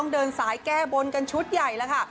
เดินสายแก้บนกันชุดใหญ่แล้วค่ะ